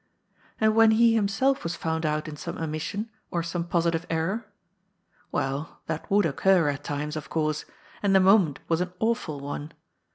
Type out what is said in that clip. And when he himself was found out in some omission, or some positive error? Well, that would occur at times, of course ; and the moment was an awful one.